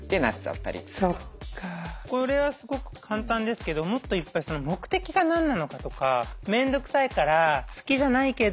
これはすごく簡単ですけどもっといっぱい目的が何なのかとかめんどくさいから好きじゃないけど行って断る。